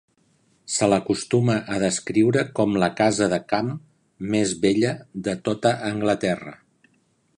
Se l'acostuma a descriure com la casa de camp més bella de tota Anglaterra.